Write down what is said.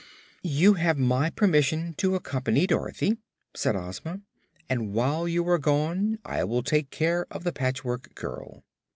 "You have my permission to accompany Dorothy," said Ozma. "And while you are gone I will take care of the Patchwork Girl."